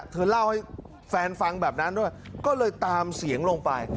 เธอเล่าให้แฟนฟังแบบนั้นด้วยก็เลยตามเสียงลงไป